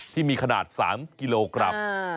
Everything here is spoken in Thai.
ที่มีขนาด๓กิโลกรัม